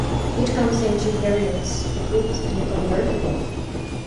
It comes in two variants, a coupe and a convertible.